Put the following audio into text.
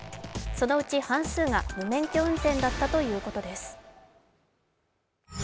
そのうち半数が無免許運転だったということです。